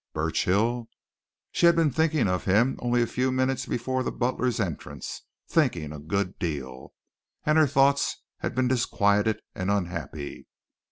Burchill? she had been thinking of him only a few minutes before the butler's entrance; thinking a good deal. And her thoughts had been disquieted and unhappy.